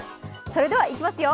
それではいきますよ